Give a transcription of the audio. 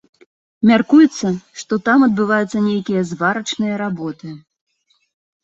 Мяркуецца, што там адбываюцца нейкія зварачныя работы.